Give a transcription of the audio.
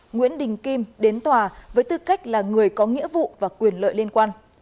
nguyễn đình kim đến tòa với tư cách là người có nghĩa vụ và quyền lợi liên quan